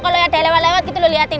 kalau ada yang lewat lewat gitu lo liatin